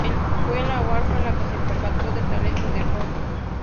Fue la Warner la que se percató del talento de Ross.